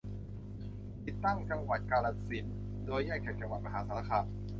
จัดตั้งจังหวัดกาฬสินธุ์ โดยแยกจากจังหวัดมหาสารคาม